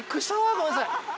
ごめんなさい。